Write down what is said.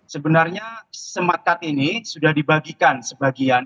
sebenarnya smart card ini sudah dibagikan sebagian